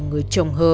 người chồng hờ